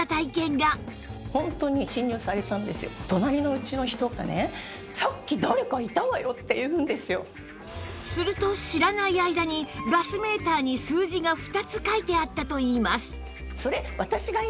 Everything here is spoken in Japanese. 鈴木さんもすると知らない間にガスメーターに数字が２つ書いてあったといいます